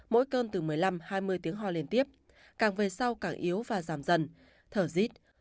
mỗi cơn từ một mươi năm hai mươi tiếng ho liên tiếp càng về sau càng yếu và giảm dần thở dít